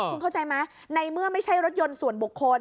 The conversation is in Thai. คุณเข้าใจไหมในเมื่อไม่ใช่รถยนต์ส่วนบุคคล